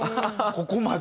ここまで。